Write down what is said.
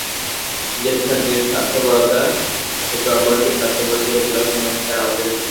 নিজেদের নিঃস্বার্থপরতা দিয়ে অপরকে স্বার্থপর করে তোলার কোন অধিকার আমাদের নেই।